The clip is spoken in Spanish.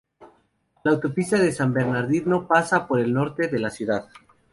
La autopista de San Bernardino pasa por el norte de la ciudad.